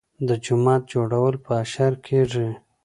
د جومات جوړول په اشر کیږي.